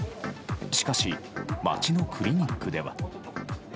しかし、街のクリニックでは。